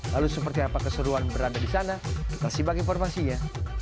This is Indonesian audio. lalu seperti apa keseruan berada di sana kita simak informasinya